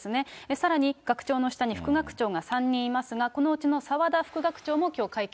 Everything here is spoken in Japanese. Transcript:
さらに、学長の下に副学長が３人いますが、このうちの澤田副学長もきょう、会見に。